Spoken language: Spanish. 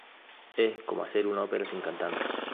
Es como hacer una ópera sin cantantes.